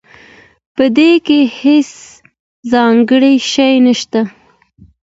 پدې کې هیڅ ځانګړی شی نشته